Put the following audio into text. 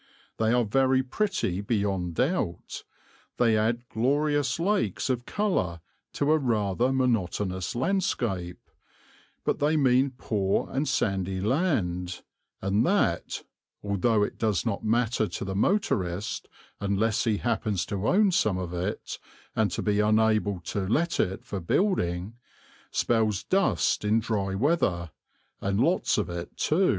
They are very pretty beyond doubt; they add glorious lakes of colour to a rather monotonous landscape, but they mean poor and sandy land, and that (although it does not matter to the motorist, unless he happens to own some of it, and to be unable to let it for building) spells dust in dry weather, and lots of it too.